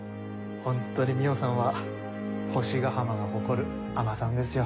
ホントに海音さんは星ヶ浜が誇る海女さんですよ。